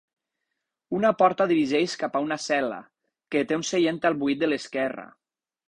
Una porta dirigeix cap a una cel·la, que té un seient al buit de l"esquerra.